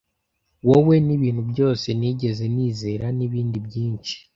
Wowe nibintu byose nigeze nizera nibindi byinshi.